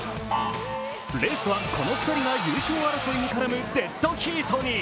レースはこの距離が優勝争いにからむデッドヒートに。